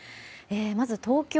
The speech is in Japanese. まず東京。